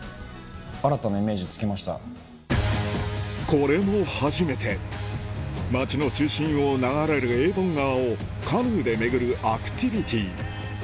これも初めて街の中心を流れるエイボン川をカヌーで巡るアクティビティー